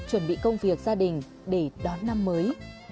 chuẩn bị công việc gia đình để đón năm mới